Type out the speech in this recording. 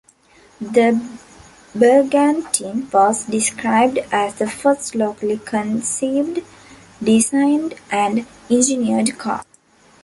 The Bergantin was described as the first locally conceived, designed, and engineered car.